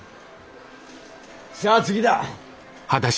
さあ次だ。